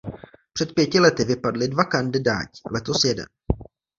Před pěti lety vypadli dva kandidáti, letos jeden.